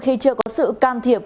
khi chưa có sự cam thiệp